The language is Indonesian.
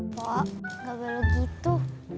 pok gak boleh gitu